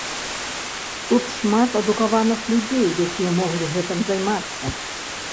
Тут шмат адукаваных людзей, якія могуць гэтым займацца.